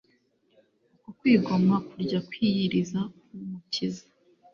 Uko kwigomwa kurya kwiyiriza k’Umukiza